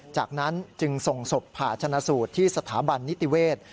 จากนั้นจึงส่งศพผ่าชนะสูตรที่สถาบันนิติเวศ